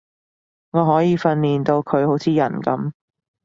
我可以訓練到佢好似人噉